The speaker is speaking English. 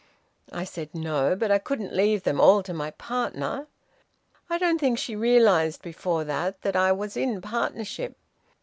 I said no, but I couldn't leave them all to my partner. I don't think she realised, before that, that I was in partnership.